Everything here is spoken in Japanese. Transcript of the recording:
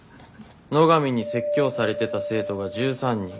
野上に説教されてた生徒が１３人。